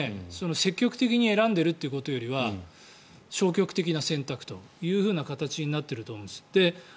積極的に選んでいるということよりは消極的な選択という形になっていると思います。